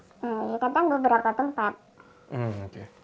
ya kadang beberapa tempat